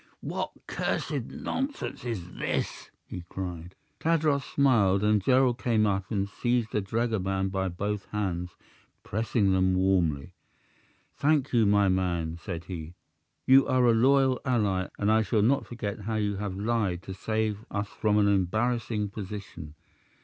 "What cursed nonsense is this?" he cried. Tadros smiled, and Gerald came up and seized the dragoman by both hands, pressing them warmly. "Thank you, my man!" said he. "You are a loyal ally, and I shall not forget how you have lied to save us from an embarrassing position."